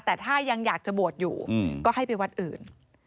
แต่ถ้ายังอยากจะบวชอยู่ก็ให้ไปวัดอื่น